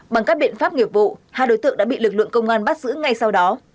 bằng các biện pháp nghiệp vụ hai đối tượng đã bị lực lượng công an bắt giữ ngay sau đó